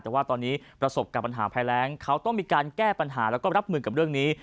แต่ว่าตอนนี้ประสบกับปัญหาภัยแรงเขาต้องมีการแก้ปัญหาแล้วก็รับมือกับเรื่องนี้